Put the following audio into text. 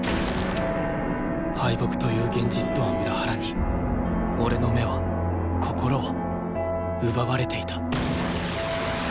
敗北という現実とは裏腹に俺の目は心は奪われていた